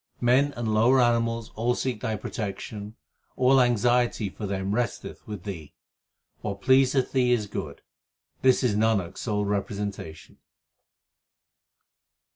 Men and lower animals all seek Thy protection ; all anxiety for them resteth with Thee. What pleaseth Thee is good ; this is Nanak s sole repre sentation.